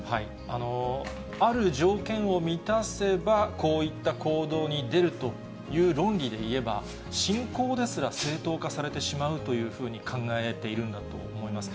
ある条件を満たせば、こういった行動に出るという論理でいえば、侵攻ですら正当化されてしまうというふうに考えているんだと思います。